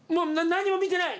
何も見てない！」